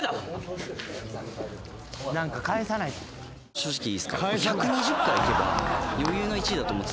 正直いいっすか？